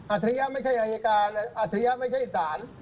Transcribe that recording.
ฉริยะไม่ใช่อายการอัจฉริยะไม่ใช่ศาล